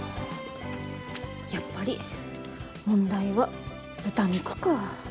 やっぱり問題は豚肉か。